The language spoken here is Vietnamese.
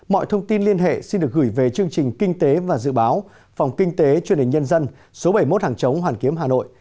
mọi thông tin liên hệ xin được gửi về chương trình kinh tế và dự báo phòng kinh tế truyền hình nhân dân số bảy mươi một hàng chống hoàn kiếm hà nội